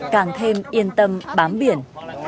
càng thêm yên tâm bám biển